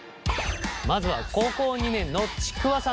まずは高校２年のちくわさん。